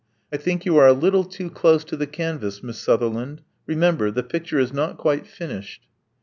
I think you are a little too close to the can vas. Miss Sutherland. Remember: the picture is not quite finished."